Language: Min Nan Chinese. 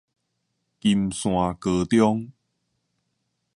金山高中